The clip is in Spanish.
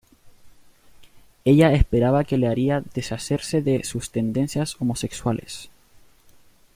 Ella esperaba que le haría deshacerse de sus tendencias homosexuales.